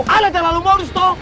ada yang terlalu modus toh